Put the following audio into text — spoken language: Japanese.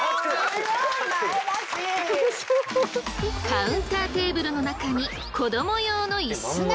カウンターテーブルの中に子ども用のイスが！